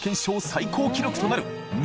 最高記録となる．